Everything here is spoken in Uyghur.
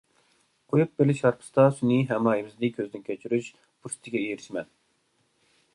قويۇپ بېرىلىش ھارپىسىدا سۈنئىي ھەمراھىمىزنى كۆزدىن كەچۈرۈش پۇرسىتىگە ئېرىشىمەن.